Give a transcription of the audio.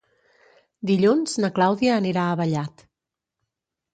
Dilluns na Clàudia anirà a Vallat.